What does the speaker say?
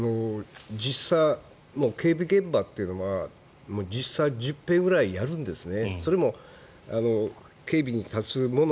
警備現場というのは実際１０回ぐらいやるんですね。